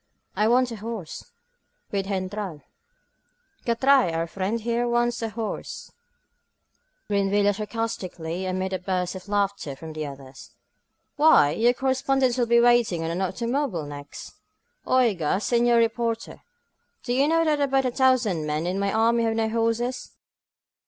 ^I want a horse, wd GentraL CarT'T'r'ai^ our friend here wants a horse P* grinned Villa sarcastically amid a burst of laughter from the others. Why, you correspondents will be wanting an automobile next! Oiga, senor reporter, do you know that about a thousand men in my army have no horses?